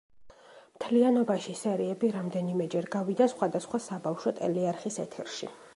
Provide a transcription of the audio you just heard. მთლიანობაში, სერიები რამდენიმეჯერ გავიდა სხვადასხვა საბავშვო ტელეარხის ეთერში.